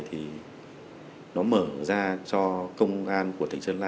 thì nó mở ra cho công an của tỉnh sơn la